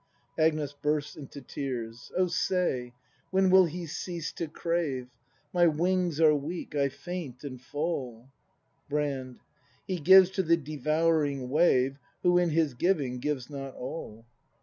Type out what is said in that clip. Agnes. [Bursts into tears.] Oh, say, when will He cease to crave ? My wings are weak — I faint and fall Brand, He gives to the devouring wave Who in his giving gives not all.